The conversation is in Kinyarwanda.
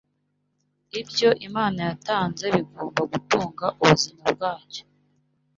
ibyo Imana yatanze bigomba gutunga ubuzima bwacyo